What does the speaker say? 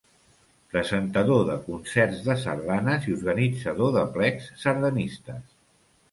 Presentador de concerts de sardanes i organitzador d'aplecs sardanistes.